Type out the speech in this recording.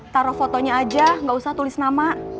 taruh fotonya aja nggak usah tulis nama